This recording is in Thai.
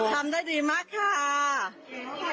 ทำได้ดีมากค่ะ